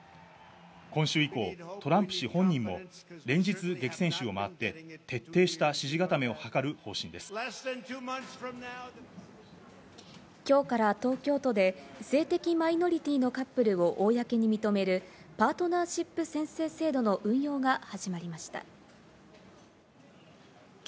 今週以降、トランプ氏本人も連日、激戦州を回って徹底した支持固め今日から東京都で性的マイノリティーのカップルを公に認めるパートナーシップ宣誓制度の運用が始まりました。